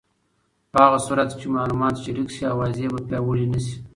په هغه صورت کې چې معلومات شریک شي، اوازې به پیاوړې نه شي.